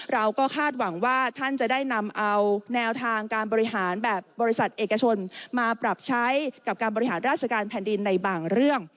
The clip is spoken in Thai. เราก็คาดหวังว่าท่านจะได้นำเอาแนวทางการบริหารแบบบริษัทเอกชนมาปรับใช้กับการบริหารราชการแผ่นดินในบางเรื่อง